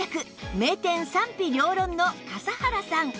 名店賛否両論の笠原さん